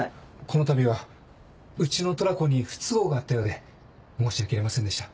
このたびはうちのトラコに不都合があったようで申し訳ありませんでした。